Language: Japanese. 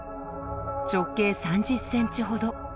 直径３０センチほど。